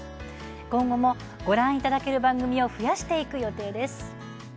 今後も、ご覧いただける番組を増やしていく予定です。